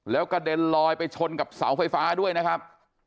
แล้วกระเด็นลอยไปชนกับเสาไฟฟ้าด้วยนะครับ